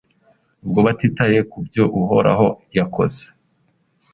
Ubwo batitaye ku byo Uhoraho yakoze